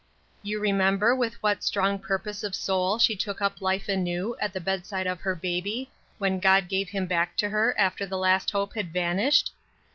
You remember with what strong purpose of soul she took up life anew, at the bedside of her baby, when God gave him back to her, after the last hope had vanished